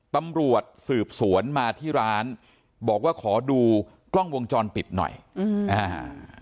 ตำรวจสืบสวนมาที่ร้านบอกว่าขอดูกล้องวงจรปิดหน่อยอืมอ่า